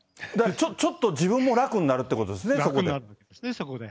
ちょっと自分も楽になるってことですね、そこで。